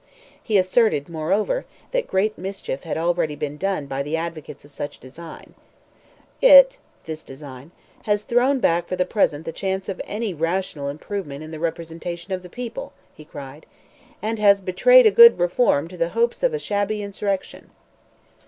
He asserted, moreover, that great mischief had been already done by the advocates of such a design, "It"—this design—"has thrown back for the present the chance of any rational improvement in the representation of the people," he cried, "and has betrayed a good reform to the hopes of a shabby insurrection."